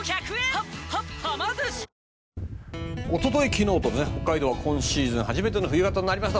昨日と北海道は今シーズン初めての冬型となりました。